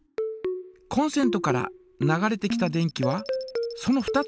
コンセントから流れてきた電気はその２つの道に分かれます。